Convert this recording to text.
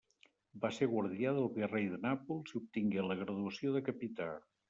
Va ser guardià del virrei de Nàpols i obtingué la graduació de capità.